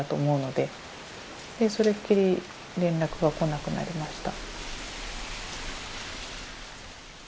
でそれっきり連絡が来なくなりました。